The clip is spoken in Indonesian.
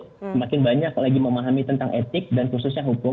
semakin banyak lagi memahami tentang etik dan khususnya hukum